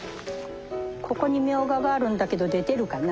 ここにミョウガがあるんだけど出てるかな？